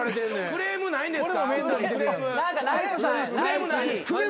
クレームないんですか？